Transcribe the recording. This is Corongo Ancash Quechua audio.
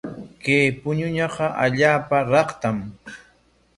Kay puñunaqa allaapa raktam.